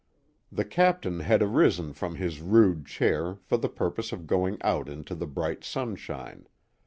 The captain had arisen from his rude chair for the purpose of going out into the bright sunshine.